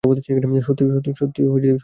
সত্যি কথাটাই বলুন।